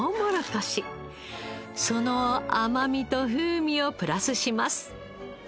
その甘みと風味をプラスします。